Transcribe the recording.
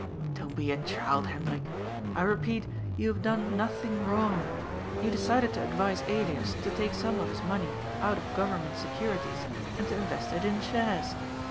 " Don't be a child, Hendrik. I repeat, you have done nothing wrong. You decided to advise Elias to take some of his money out of Government Securities, and to invest it in shares.